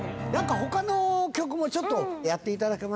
他の曲もちょっとやっていただけますか？